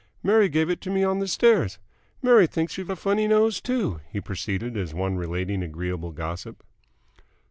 "Mary gave it to me on the stairs. Mary thinks you've a funny nose, too," he proceeded, as one relating agreeable gossip.